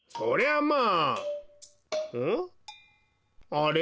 あれ？